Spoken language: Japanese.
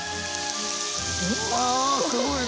うわすごいね！